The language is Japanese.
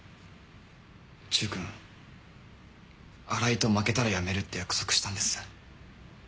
チュウ君荒井と負けたら辞めるって約束したんです。